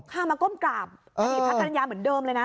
ข้ามมาก้มกราบอดีตพระกรรณญาเหมือนเดิมเลยนะ